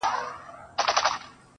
سندرغاړي نڅاگاني او سازونه!.